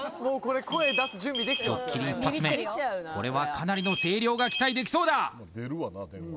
ドッキリ１発目これはかなりの声量が期待できそうだ